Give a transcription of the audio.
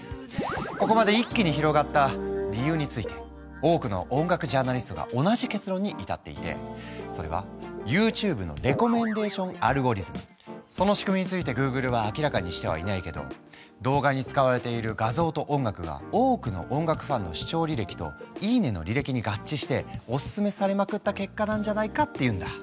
ここまで一気に広がった理由について多くの音楽ジャーナリストが同じ結論に至っていてそれはＹｏｕＴｕｂｅのその仕組みについてグーグルは明らかにしてはいないけど動画に使われている画像と音楽が多くの音楽ファンの視聴履歴といいねの履歴に合致しておすすめされまくった結果なんじゃないかっていうんだ。